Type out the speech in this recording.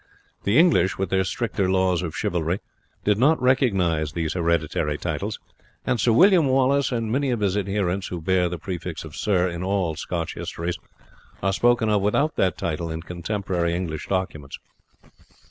The English, with their stricter laws of chivalry, did not recognize these hereditary titles; and Sir William Wallace and many of his adherents who bear the prefix of Sir in all Scotch histories, are spoken of without that title in contemporary English documents.